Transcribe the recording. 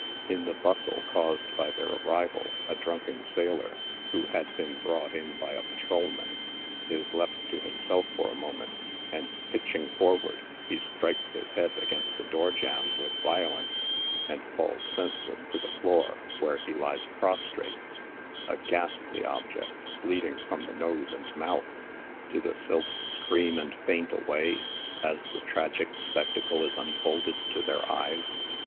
In the bustle caused by their arrival a drunken sailor, who had been brought in by a patrolman, is left to himself for a moment, and, pitching for ward, he strikes his head against a door jamb with violence, and falls senseless to the floor, where he lies prostrate— a ghastly object, bleeding from the nose and mouth. Do the sylphs scream and faint away, as the tragic spectacle is unfolded to their eyes